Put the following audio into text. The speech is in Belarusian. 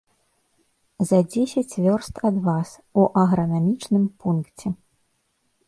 За дзесяць вёрст ад вас, у агранамічным пункце.